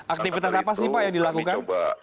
aktivitas apa sih pak yang dilakukan